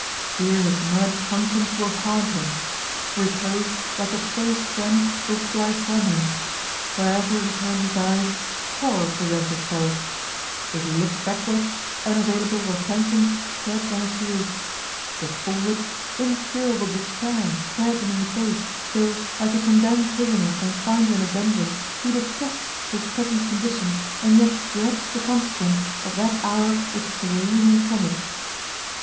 Here his murdered conscience will haunt him. Repose, like a false friend, will fly from him. Wherever he turns his eyes, horror presents itself; if he looks backward, unavailable repentance treads on his heels; if forward, incurable despair stares him in the face, till, like a condemned prisoner confined in a dungeon, he detests his present condition, and yet dreads the consequence of that hour which is to relieve him from it.